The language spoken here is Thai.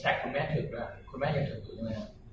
แฮชแตรคคุณแม่ถือปุ่นอะ